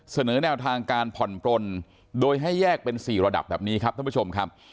เสนอแนวทางการผ่อนปลนโดยให้แยกเป็น๔ระดับแบบนี้ครับท่านผู้ชมครับ